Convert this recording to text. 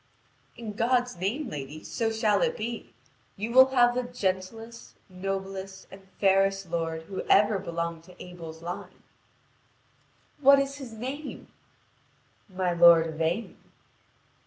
'" "In God's name, lady, so shall it be. You will have the gentlest, noblest, and fairest lord who ever belonged to Abel's line." "What is his name?" "My lord Yvain."